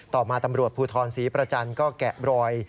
ต่อมาตำรวจภูทรศรีประจันทร์ก็แกะรอย